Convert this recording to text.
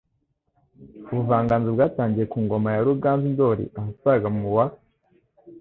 Ubuvanganzo bwatangiye ku ngoma ya Ruganzu Ndoli ahasaga mu wa